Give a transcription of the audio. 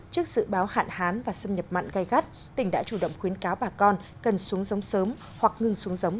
cần xuống giống sớm hoặc ngừng xuống giống